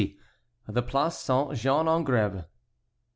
THE PLACE SAINT JEAN EN GRÈVE.